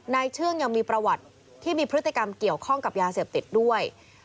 เชื่องยังมีประวัติที่มีพฤติกรรมเกี่ยวข้องกับยาเสพติดด้วย